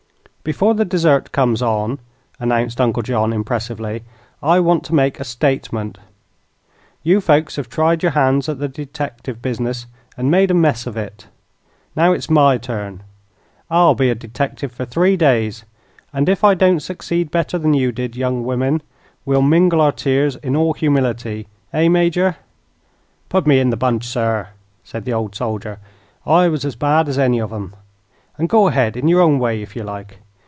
"Before the dessert comes on," announced Uncle John, impressively, "I want to make a statement. You folks have tried your hands at the detective business and made a mess of it. Now it's my turn. I'll be a detective for three days, and if I don't succeed better than you did, young women, we'll mingle our tears in all humility. Eh, Major?" "Put me in the bunch, sir," said the old soldier, "I was as bad as any of them. And go ahead in your own way, if ye like.